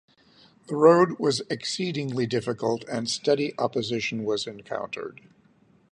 The road was exceedingly difficult and steady opposition was encountered.